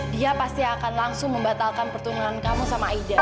dia pasti akan langsung membatalkan pertemuan kamu sama aida